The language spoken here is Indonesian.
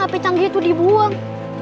hape canggih itu dibuang